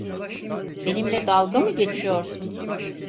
Benimle dalga mı geçiyorsun?